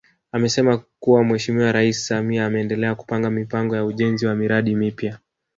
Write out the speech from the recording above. Amesema kuwa Mheshimiwa Rais Samia ameendelea kupanga mipango ya ujenzi wa miradi mipya